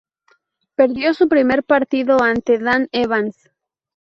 Perdió su primer partido ante Dan Evans.